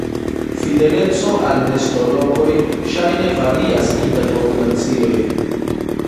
Fideleco al nestolokoj ŝajne varias inter populacioj.